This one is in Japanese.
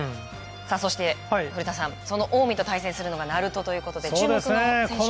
そして、古田さん、近江と対戦するのが鳴門ということで注目の選手がいるんですよね。